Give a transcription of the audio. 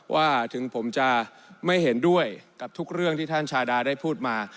ว่าถึงผมจะไม่เห็นด้วยกับทุกเรื่องที่ท่านชาดาได้พูดมา